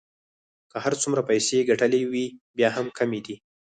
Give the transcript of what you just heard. که هر څومره پیسې يې ګټلې وې بیا هم کمې دي.